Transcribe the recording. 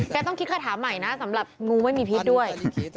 ต้องคิดคาถาใหม่นะสำหรับงูไม่มีพิษด้วย